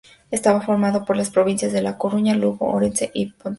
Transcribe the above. Estaba formada por las provincias de La Coruña, Lugo, Orense y Pontevedra.